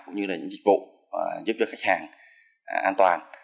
cũng như là những dịch vụ giúp cho khách hàng an toàn